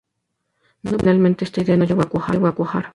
No obstante, finalmente esta idea no llegó a cuajar.